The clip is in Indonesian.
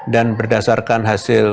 dan berdasarkan hasil